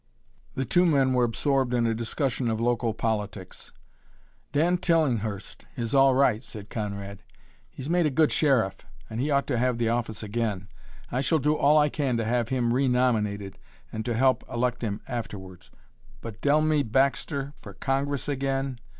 The two men were absorbed in a discussion of local politics. "Dan Tillinghurst is all right," said Conrad. "He's made a good sheriff and he ought to have the office again. I shall do all I can to have him renominated and to help elect him afterwards. But Dellmey Baxter for Congress again!